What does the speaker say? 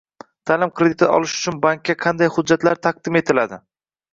Ta’lim krediti olish uchun bankka qanday hujjatlar taqdim etiladi?